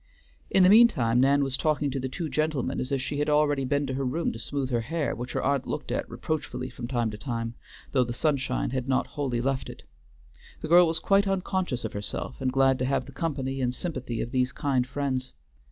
In the mean time Nan was talking to the two gentlemen as if she had already been to her room to smooth her hair, which her aunt looked at reproachfully from time to time, though the sunshine had not wholly left it. The girl was quite unconscious of herself, and glad to have the company and sympathy of these kind friends.